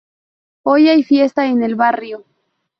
Hoy hay fiesta en el barrio